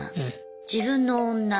自分の女